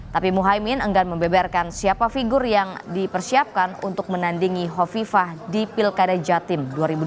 tapi muhaymin enggan membeberkan siapa figur yang dipersiapkan untuk menandingi hovifah di pilkada jatim dua ribu dua puluh